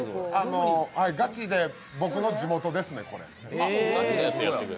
ガチで僕の地元ですね。